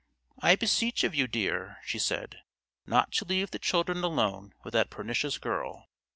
"I beseech of you, dear," she said, "not to leave the children alone with that pernicious girl.